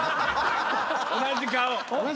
同じ顔。